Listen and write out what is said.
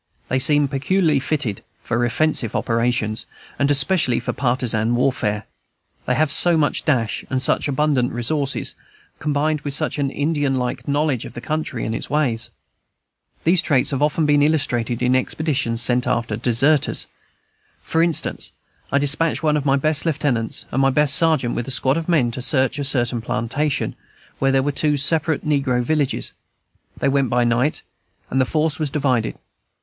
They seem peculiarly fitted for offensive operations, and especially for partisan warfare; they have so much dash and such abundant resources, combined with such an Indian like knowledge of the country and its ways. These traits have been often illustrated in expeditions sent after deserters. For instance, I despatched one of my best lieutenants and my best sergeant with a squad of men to search a certain plantation, where there were two separate negro villages. They went by night, and the force was divided.